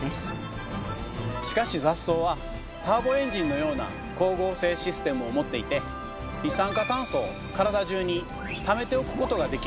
しかし雑草はターボエンジンのような光合成システムを持っていて二酸化炭素を体中にためておくことができるんです。